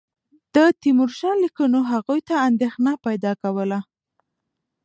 د تیمورشاه لیکونو هغوی ته اندېښنه پیدا کوله.